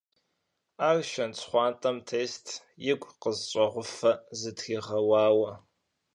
Ар шэнт щхьэгуэм тест, игу къысщӀэгъуфэ зытригъэуауэ.